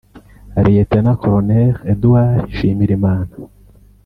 Lieutenant Colonel Edouard Nshimirimana